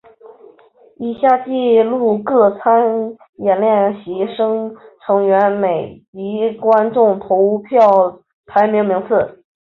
以下记录各参演练习生成员每集观众投票排名名次。